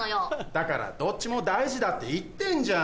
だからどっちも大事だって言ってんじゃん。